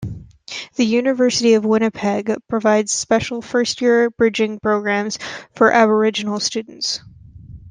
The University of Winnipeg provides special first-year bridging programs for Aboriginal students.